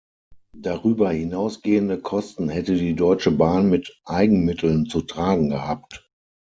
Darüber hinausgehende Kosten hätte die Deutsche Bahn mit Eigenmitteln zu tragen gehabt.